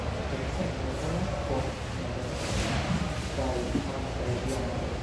Decembro venas post novembro kaj antaŭ januaro.